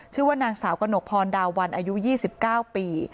ชื่อว่านางสาวกระหนกพรดาวันอายุ๒๙ปี